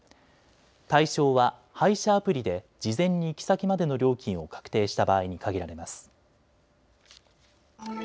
対象は配車アプリで事前に行き先までの料金を確定した場合に限られます。